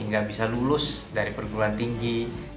ini tidak bisa lulus dari perguruan tinggi